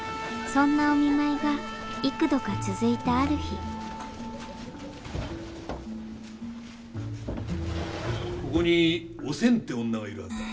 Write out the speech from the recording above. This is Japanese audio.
そんなお見舞いが幾度か続いたある日ここにおせんって女がいるはずだが。